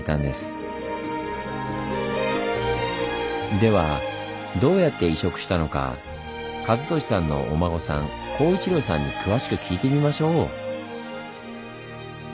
ではどうやって移植したのか和俊さんのお孫さん公一郎さんに詳しく聞いてみましょう。